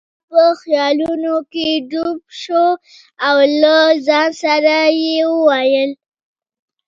هغه په خیالونو کې ډوب شو او له ځان سره یې وویل.